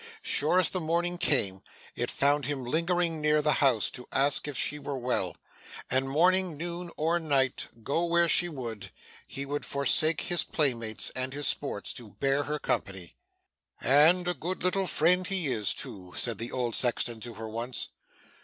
Sure as the morning came, it found him lingering near the house to ask if she were well; and, morning, noon, or night, go where she would, he would forsake his playmates and his sports to bear her company. 'And a good little friend he is, too,' said the old sexton to her once.